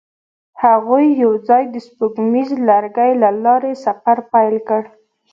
هغوی یوځای د سپوږمیز لرګی له لارې سفر پیل کړ.